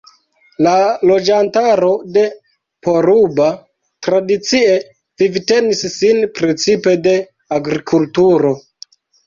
La loĝantaro de Poruba tradicie vivtenis sin precipe de agrikulturo.